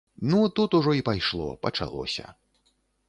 Ну, тут ужо і пайшло, пачалося.